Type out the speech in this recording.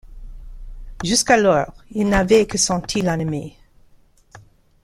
Jusqu’alors, il n’avait que senti l’ennemi.